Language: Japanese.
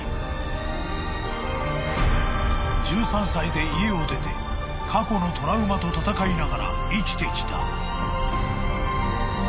［１３歳で家を出て過去のトラウマと闘いながら生きてきた］